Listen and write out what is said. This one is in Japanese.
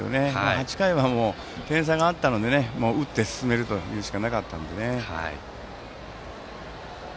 ８回は点差があったので打って進めるしかなかったので。